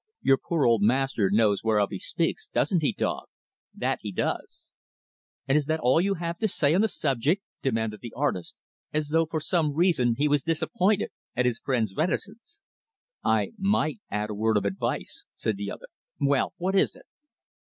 Your poor old master knows whereof he speaks, doesn't he, dog? That he does!" "And is that all you have to say on the subject?" demanded the artist, as though for some reason he was disappointed at his friend's reticence. "I might add a word of advice," said the other. "Well, what is it?"